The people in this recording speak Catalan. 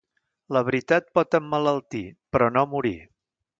La veritat pot emmalaltir, però no morir.